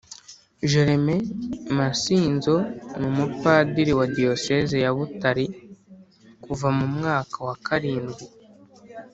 Jereme Masinzo ni Umupadiri wa Diyosezi ya Butare kuva mu mwaka wa karindwi